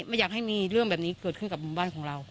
ไม่อยากให้มีเรื่องแบบนี้เกิดขึ้นกับหมู่บ้านของเรา